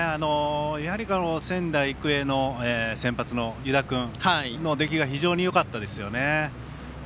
仙台育英の先発の湯田君の出来が非常によかったですよね。